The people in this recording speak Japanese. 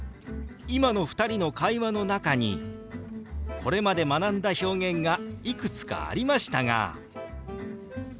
今の２人の会話の中にこれまで学んだ表現がいくつかありましたが分かりました？